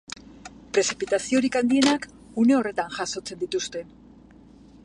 Prezipitaziorik handienak une horretan jasotzen dituzte.